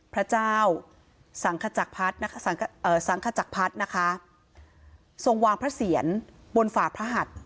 พระเจ้าสังขจักรพัฒน์นะคะทรงวางพระเสียรบนฝ่าพระหัด